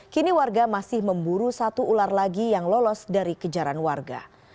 kini warga masih memburu satu ular lagi yang lolos dari kejaran warga